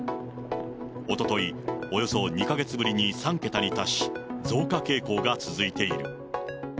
おととい、およそ２か月ぶりに３桁に達し、増加傾向が続いている。